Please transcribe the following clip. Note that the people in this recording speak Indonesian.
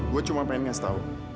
gue cuma pengen ngasih tau